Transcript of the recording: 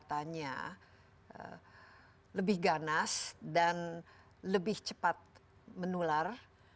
perbedaan mendasar dan katanya lebih ganas dan lebih cepat menular